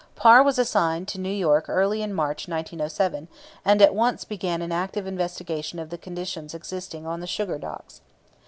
Parr was assigned to New York early in March, 1907, and at once began an active investigation of the conditions existing on the sugar docks.